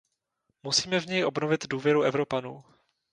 Musíme v něj obnovit důvěru Evropanů.